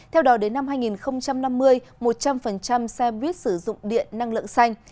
theo đó đến năm hai nghìn năm mươi một trăm linh xe buýt sử dụng điện năng lượng xanh